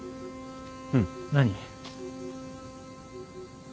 うん。何？